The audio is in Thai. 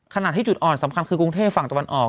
ขณะที่จุดอ่อนสำคัญคือกรุงเทพฝั่งตะวันออก